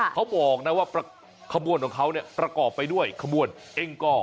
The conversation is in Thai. เขาบอกนะว่าขบวนของเขาเนี่ยประกอบไปด้วยขบวนเอ็งกอร์